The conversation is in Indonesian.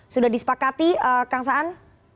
sudah disepakati kang saan